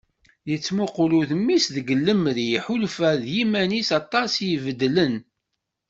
Yettmuqul udem-is deg lemri, iḥulfa i yiman-is aṭas i ibeddlen.